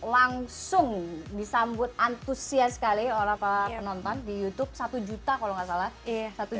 langsung disambut antusias sekali oleh para penonton di youtube satu juta kalau nggak salah eh satu juta